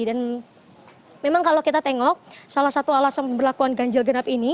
dan memang kalau kita tengok salah satu alasan berlakuan ganjil genap ini